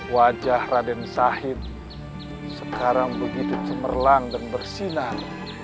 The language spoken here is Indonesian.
wajah raden sahid sekarang begitu cemerlang dan bersinar